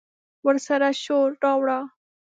ورسره شور، راوړه